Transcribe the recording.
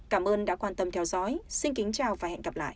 cảm ơn đã quan tâm theo dõi xin kính chào và hẹn gặp lại